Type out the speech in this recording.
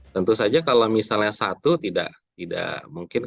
tentu saja kalau misalnya satu tidak mungkin